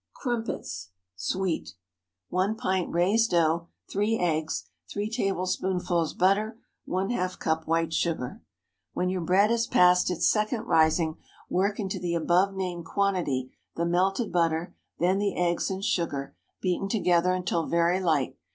CRUMPETS (Sweet.) 1 pint raised dough. 3 eggs. 3 tablespoonfuls butter. ½ cup white sugar. When your bread has passed its second rising, work into the above named quantity the melted butter, then the eggs and sugar, beaten together until very light.